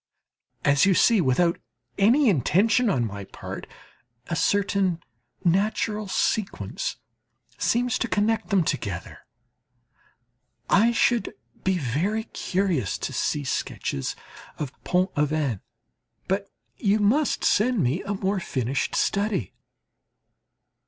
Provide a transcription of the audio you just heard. As you see, without any intention on my part, a certain natural sequence seems to connect them together. I should be very curious to see sketches of Pont Aven; but you must send me a more finished study.